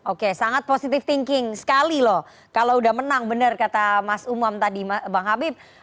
oke sangat positive thinking sekali loh kalau udah menang benar kata mas umam tadi bang habib